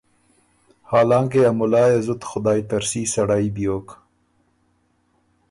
حالانکې ا مُلا يې زُت خدایٛ ترسي سړئ بیوک